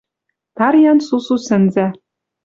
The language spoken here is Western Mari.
Тарьян сусу сӹнзӓ —